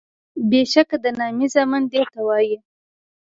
بیشکه د نامي زامن دیته وایي